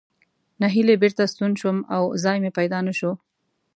نهیلی بېرته ستون شوم او ځای مې پیدا نه شو.